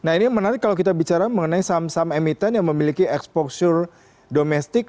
nah ini yang menarik kalau kita bicara mengenai saham saham emiten yang memiliki exposure domestik